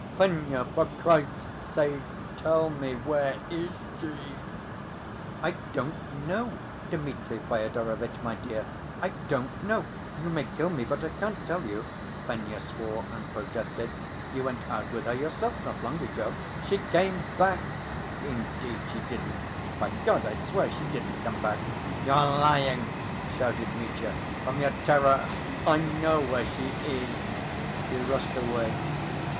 "Fenya, for Christ's sake, tell me, where is she?" "I don't know. Dmitri Fyodorovitch, my dear, I don't know. You may kill me but I can't tell you." Fenya swore and protested. "You went out with her yourself not long ago—" "She came back!" "Indeed she didn't. By God I swear she didn't come back." "You're lying!" shouted Mitya. "From your terror I know where she is." He rushed away.